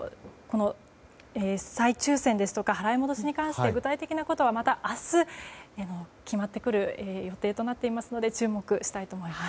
再抽選ですとか払い戻しに関して具体的なことはまた明日、決まってくる予定となっていますので注目したいと思います。